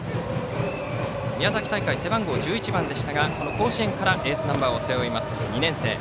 宮崎大会は背番号１１番でしたがこの甲子園からエースナンバーを背負います。